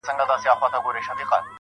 خير دی زما روح ته، ته هم آب حيات ولېږه,